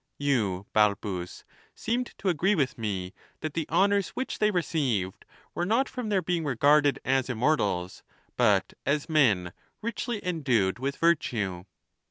You, Balbus, seemed to agree with me that the honors "which they received were not from their being regarded as immortals, but as men richly endued with virtue.